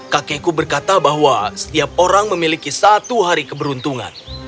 kakekku berkata bahwa setiap orang memiliki satu hari keberuntungan